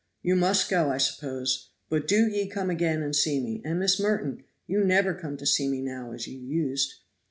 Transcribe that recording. You must go, I suppose; but do ye come again and see me. And, Miss Merton, you never come to see me now, as you used."